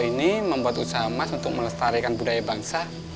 ini membuat usaha mas untuk melestarikan budaya bangsa